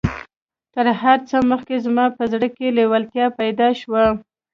تر هر څه مخکې زما په زړه کې لېوالتيا پيدا شوه.